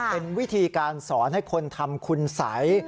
เป็นวิธีการสอนให้คนทำคุณสัย